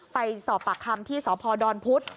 ไปสอบปากคำที่สพดอนพุธ